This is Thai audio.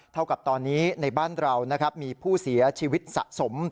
เท่ากับตอนนี้ในบ้านเรานะครับมีผู้เสียชีวิตสะสม